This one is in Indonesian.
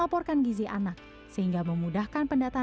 puskesmas menjadi ujung tombak perang